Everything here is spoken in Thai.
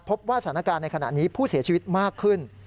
พบว่าสถานการณ์ในขณะนี้ผู้เสียชีวิตมากขึ้น